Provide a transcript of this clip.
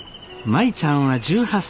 舞ちゃんは１８歳。